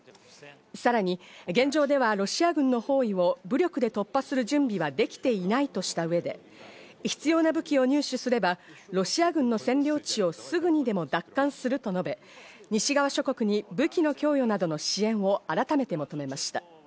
さらに現状ではロシア軍の包囲を武力で突破する準備はできていないとした上で、必要な武器を入手すればロシア軍の占領地をすぐにでも奪還すると述べ、西側諸国に武器の供与などの支援を改めて求めました。